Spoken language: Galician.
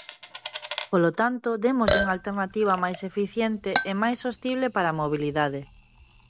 Polo tanto, démoslles unha alternativa máis eficiente e máis sostible para a mobilidade.